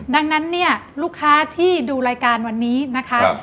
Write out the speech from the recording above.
ดังนั้นเนี่ยลูกค้าที่ดูรายการวันนี้นะคะ